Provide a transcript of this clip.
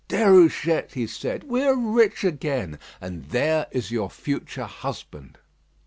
"Déruchette," he said, "we are rich again; and there is your future husband."